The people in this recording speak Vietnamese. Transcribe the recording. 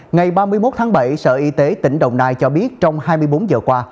ngày ba mươi một tháng bảy sở y tế tỉnh đồng nai cho biết trong hai mươi bốn giờ qua